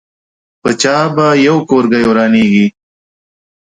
په چا به یو کورګۍ ورانېږي.